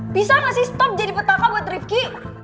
bisa nggak sih stop jadi petaka buat rifki